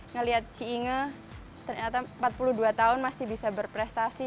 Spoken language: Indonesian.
ngelihat ci inge ternyata empat puluh dua tahun masih bisa berprestasi